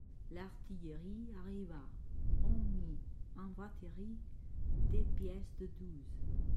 L'artillerie arriva ; on mit en batterie des pièces de douze.